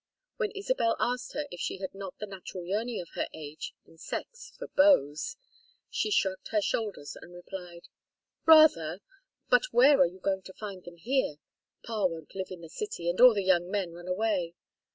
When Isabel asked her if she had not the natural yearning of her age and sex for beaux, she shrugged her shoulders and replied: "Rather. But where are you going to find them here? Pa won't live in the city, and all the young men run away.